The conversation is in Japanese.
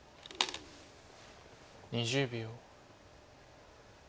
２０秒。